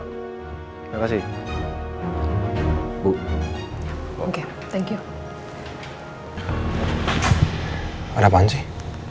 terima kasih bu oke thank you ada apaan sih